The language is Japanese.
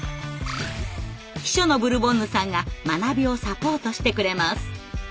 秘書のブルボンヌさんが学びをサポートしてくれます。